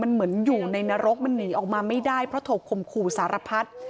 มันเหมือนอยู่ในนรกมันหนีออกมาไม่ได้เพราะถูกคมขู่สารพัฒน์